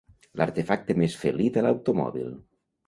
L'artefacte més felí de l'automòbil.